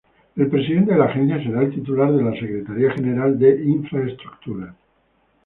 El Presidente de la Agencia será el titular de la Secretaría General de Infraestructuras.